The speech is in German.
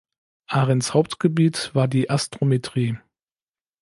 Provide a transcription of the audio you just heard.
Arends Hauptgebiet war die Astrometrie.